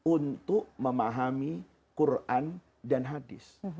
untuk memahami quran dan hadis